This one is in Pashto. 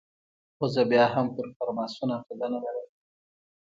خو زه بیا هم پر فرماسون عقیده نه لرم.